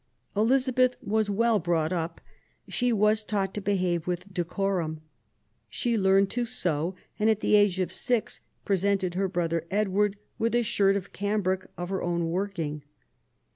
Elizabeth was well brought up. She was taught to behave with de conim. She learnt to sew, and at the age of six presented her brother Edward with a shirt of cambric of her own working.